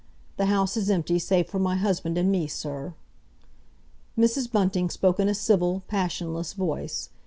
The house is empty, save for my husband and me, sir." Mrs. Bunting spoke in a civil, passionless voice.